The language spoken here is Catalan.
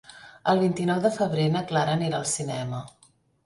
El vint-i-nou de febrer na Clara anirà al cinema.